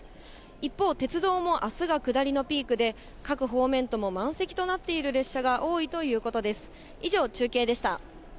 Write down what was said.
一方、鉄道もあすが下りのピークで、各方面とも満席となっている列車が多いということです。